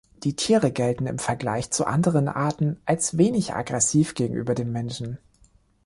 Die Tiere gelten im Vergleich zu anderen Arten als wenig aggressiv gegenüber dem Menschen.